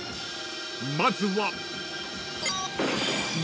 ［まずは］